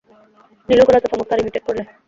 নীলুর গলা তো চমৎকার ইমিটেট করলে।